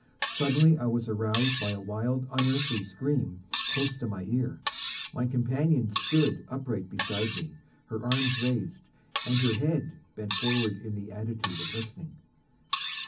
Suddenly I was aroused by a wild, unearthly scream close to my ear; my companion stood upright beside me, her arms raised, and her head bent forward in the attitude of listening.